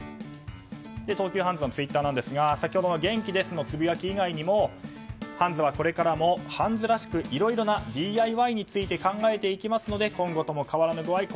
東急ハンズのツイッターですが先ほどの元気ですのつぶやき以外にもハンズはこれからもハンズらしくいろいろなＤＩＹについて考えていきますので今後とも変わらぬご愛顧